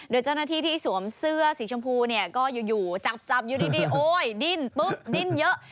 โดยเจ้าหน้าที่ที่สวมเสื้อสีชมพูเนี่ยก็อยู่จับอยู่ดีโอ๊ยดิ้นปุ๊บดิ้นเยอะ